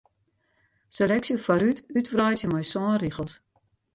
Seleksje foarút útwreidzje mei sân rigels.